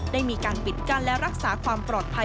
ได้มีการปิดกั้นและรักษาความปลอดภัย